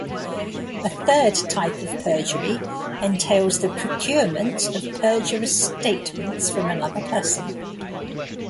A third type of perjury entails the procurement of perjurious statements from another person.